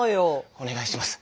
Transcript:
⁉お願いします。